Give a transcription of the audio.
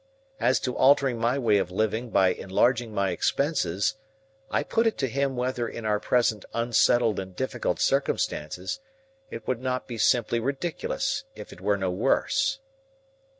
As to altering my way of living by enlarging my expenses, I put it to him whether in our present unsettled and difficult circumstances, it would not be simply ridiculous, if it were no worse?